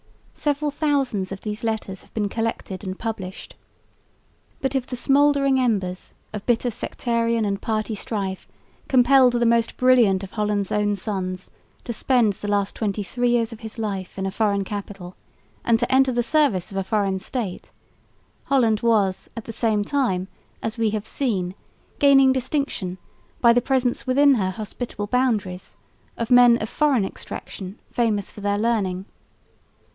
Several thousands of these letters have been collected and published. But if the smouldering embers of bitter sectarian and party strife compelled the most brilliant of Holland's own sons to spend the last twenty three years of his life in a foreign capital and to enter the service of a foreign state, Holland was at the same time, as we have seen, gaining distinction by the presence within her hospitable boundaries of men of foreign extraction famous for their learning.